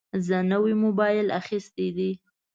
زه نوی موبایل اخیستی دی.